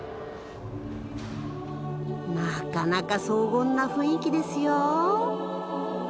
なかなか荘厳な雰囲気ですよ。